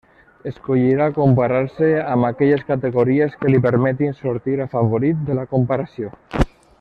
Escollirà comparar-se amb aquelles categories que li permetin sortir afavorit de la comparació.